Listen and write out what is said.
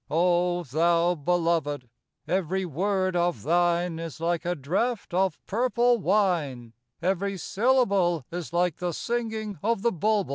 O thou Beloved, every word of thine Is like a draught of purple wine; Every syllable Is like the singing of the bulbul.